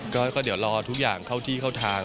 ก็เดี๋ยวรอทุกอย่างเข้าที่เข้าทาง